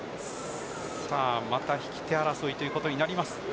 また引き手争いということになります。